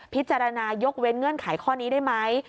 พิจารณายกเว้นเงื่อนไขข้อนี้ได้ไหม